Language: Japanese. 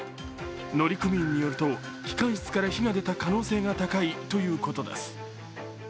乗組員によると機関室から火が出た可能性が高いということです。